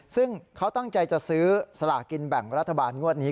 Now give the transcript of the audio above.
ซึ่งเขาตั้งใจจะซื้อสลากินแบ่งรัฐบาลงวดนี้